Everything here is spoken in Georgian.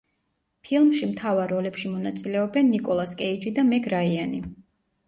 ფილმში მთავარ როლებში მონაწილეობენ ნიკოლას კეიჯი და მეგ რაიანი.